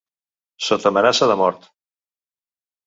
Sota amenaça de mort.